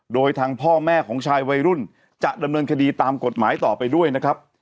โดยทางพ่อแม่ของชายวัยรุ่นจะดำเนินคดีตามกฎหมายต่อไปด้วยนะครับ